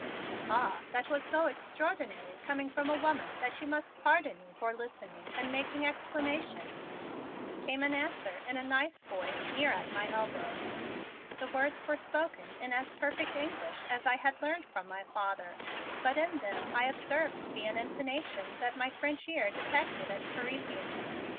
"Ah, that was so extraordinary coming from a woman that you must pardon me for listening and making exclamation," came an answer in a nice voice near at my elbow. The words were spoken in as perfect English as I had learned from my father, but in them I observed to be an intonation that my French ear detected as Parisian.